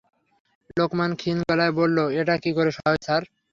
লোকমান ক্ষীণ গলায় বলল, এটা কী করে হয় স্যার?